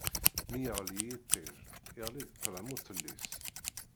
Mi yeɣli yiṭij, iɣli-d ṭṭlam uṭellis.